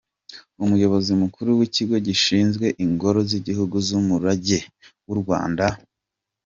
Umuyobozi Mukuru w’Ikigo gishinzwe Ingoro z’Igihugu z’Umurage w’u Rwanda, Amb.